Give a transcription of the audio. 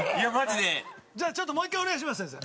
じゃあちょっともう一回お願いします先生。